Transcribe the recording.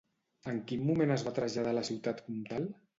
En quin moment es va traslladar a la ciutat comtal?